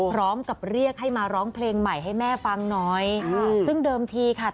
พร้อมกับเรียกให้มาร้องเพลงใหม่ให้แม่ฟังหน่อยซึ่งเดิมทีค่ะ